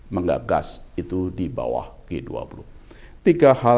yang pertama kita harus memiliki keuangan yang berbeda dan berbeda dengan negara negara berkembang